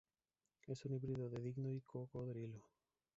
Es un híbrido de un dingo y un cocodrilo.